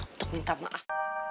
untuk minta maaf